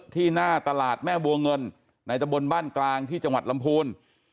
ที่หน้าตลาดแม่บัวเงินในตะบนบ้านกลางที่จังหวัดลำพูน